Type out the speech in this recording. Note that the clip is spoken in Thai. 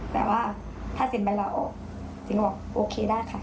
แต่ว่าถ้าถึงไปเราโอเคได้ค่ะ